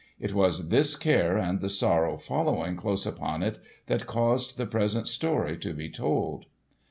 It was this care and the sorrow following close upon it that caused the present story to be told.